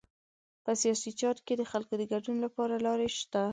په سیاسي چارو کې د خلکو د ګډون لپاره لارې شته.